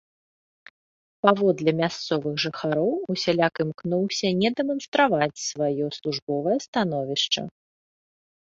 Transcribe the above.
Паводле мясцовых жыхароў, усяляк імкнуўся не дэманстраваць сваё службовае становішча.